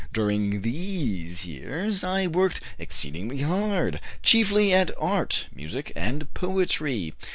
During these years I worked exceedingly hard chiefly at art (music and poetry).